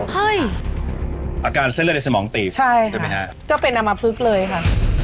เฮ้ยอาการเส้นเลือดในสมองตีบใช่ค่ะก็เป็นอัมพฤกษ์เลยค่ะ